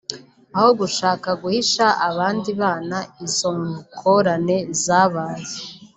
Aho gushaka guhisha abandi bana izo ngorane zabaye